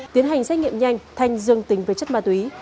tiến hành xét nghiệm nhanh thanh dương tính với chất ma túy